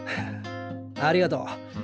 ありがとう。